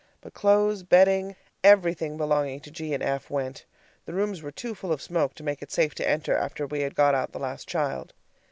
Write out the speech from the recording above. But clothes, bedding everything belonging to G and F went. The rooms were too full of smoke to make it safe to enter after we had got out the last child.